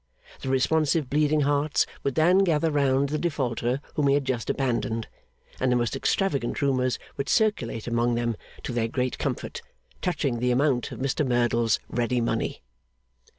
The responsive Bleeding Hearts would then gather round the Defaulter whom he had just abandoned, and the most extravagant rumours would circulate among them, to their great comfort, touching the amount of Mr Merdle's ready money.